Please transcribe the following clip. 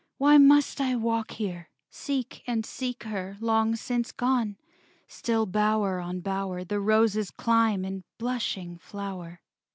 Why must I walk here? seek and seek Her, long since gone? Still bower on bower The roses climb in blushing flower.